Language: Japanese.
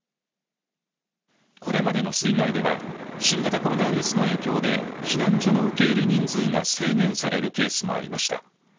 これまでの水害では新型コロナウイルスの影響で避難所の受け入れ人数が制限されるケースもありました。